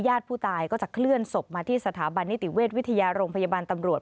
ผู้ตายก็จะเคลื่อนศพมาที่สถาบันนิติเวชวิทยาโรงพยาบาลตำรวจ